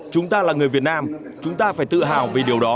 chúng ta là người việt nam chúng ta phải tự hào vì điều đó